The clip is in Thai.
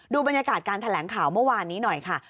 บรรยากาศการแถลงข่าวเมื่อวานนี้หน่อยค่ะ